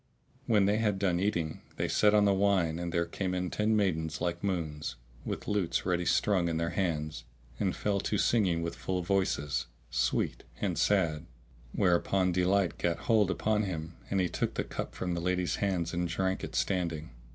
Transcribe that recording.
When they had done eating, they set on the wine and there came in ten maidens like moons, with lutes ready strung in their hands, and fell to singing with full voices, sweet and sad, whereupon delight gat hold upon him and he took the cup from the lady's hands and drank it standing.